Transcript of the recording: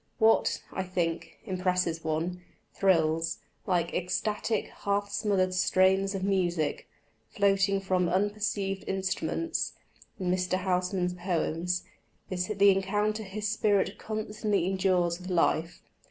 What, I think, impresses one, thrills, like ecstatic, half smothered strains of music, floating from unperceived instruments, in Mr. Housman's poems, is the encounter his spirit constantly endures with life.